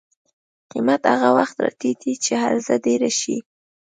قیمت هغه وخت راټیټي چې عرضه ډېره شي.